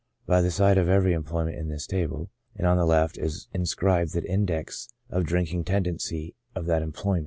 By the side of every employment in this table, and on the left, is inscribed the index of drinking tendency of that employment.